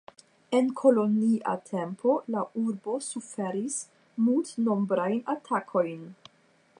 En kolonia tempo la urbo suferis multnombrajn atakojn.